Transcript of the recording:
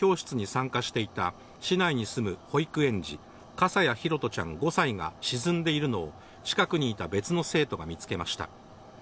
高岡のプールで水泳教室に参加していた市内に住む保育園児、笠谷拓杜ちゃん、５歳が沈んでいるのを近くにいた別の生徒が見つけました。